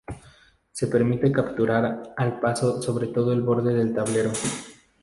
Se permite capturar "al paso" sobre el borde del tablero.